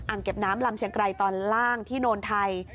เก็บน้ำลำเชียงไกรตอนล่างที่โนนไทย